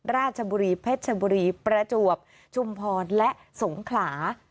ราชบุรีเพชรชบุรีประจวบชุมพรและสงขลา